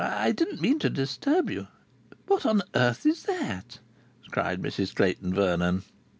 I didn't mean to disturb you." "What on earth is that?" cried Mrs Clayton Vernon.